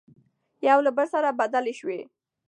يو له بل سره بدلې شوې،